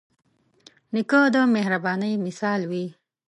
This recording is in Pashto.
نیکه د مهربانۍ مثال وي.